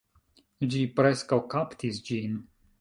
Ĝi preskaŭ kaptis ĝin